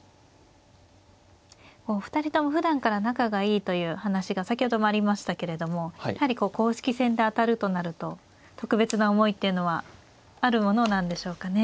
お二人ともふだんから仲がいいという話が先ほどもありましたけれどもやはり公式戦で当たるとなると特別な思いっていうのはあるものなんでしょうかね。